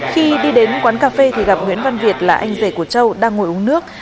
khi đi đến quán cà phê thì gặp nguyễn văn việt là anh rể của châu đang ngồi uống nước